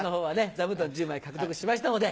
座布団１０枚獲得しましたので。